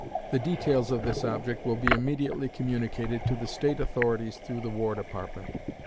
The details of this object will be immediately communicated to the State authorities through the War Department.